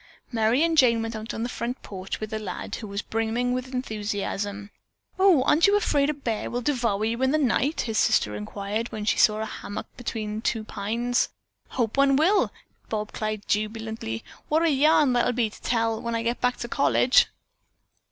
Merry and Jane went out on the front porch with the lad, who was brimming with enthusiasm. "Oh, aren't you afraid a bear will devour you in the night?" his sister inquired, when she saw a hammock hung between two pines. "Hope one will," Bob replied jubilantly. "What a yarn that would be to tell when I get back to college."